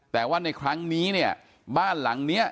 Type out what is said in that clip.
แต่ว่าในครั้งนี้เนี่ยบ้านหลังนี้